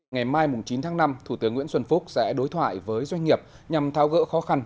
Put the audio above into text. ngày mai chín tháng năm thủ tướng nguyễn xuân phúc sẽ đối thoại với doanh nghiệp nhằm thao gỡ khó khăn